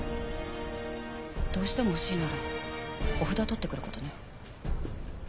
どうしても欲しいならお札を取ってくる事ね。